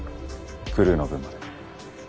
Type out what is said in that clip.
クルーの分まで。